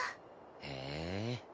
へえ。